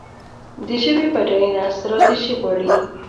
د ژبې بډاینه ستراتیژي غواړي.